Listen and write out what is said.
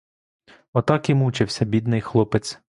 Отак і мучився бідний хлопець.